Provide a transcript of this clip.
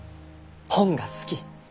本が好き。